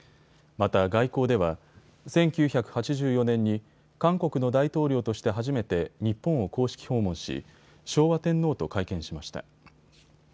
また外交では１９８４年に韓国の大統領として初めて日本を公式訪問し、昭和天皇と会見しました。